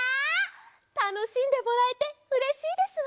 たのしんでもらえてうれしいですわ。